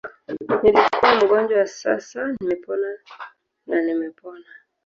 Nilikuwa mgonjwa sasa nimepona na nimepona